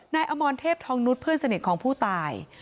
อมรเทพทองนุษย์เพื่อนสนิทของผู้ตาย